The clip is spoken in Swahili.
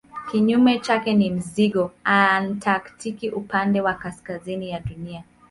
Kinyume chake ni mzingo antaktiki upande wa kaskazini ya Dunia.